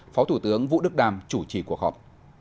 phó thủ tướng vũ đức đam chủ trì cuộc họp